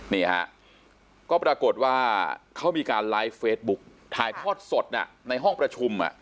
นี่ฮะก็ปรากฏว่าเขามีการไลฟ์เฟซบุ๊กถ่ายทอดสดในห้องประชุม